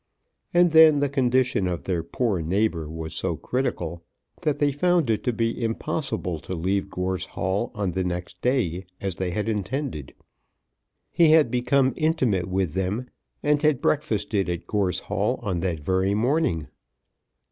And then the condition of their poor neighbour was so critical that they found it to be impossible to leave Gorse Hall on the next day, as they had intended. He had become intimate with them, and had breakfasted at Gorse Hall on that very morning.